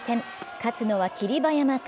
勝つのは霧馬山か？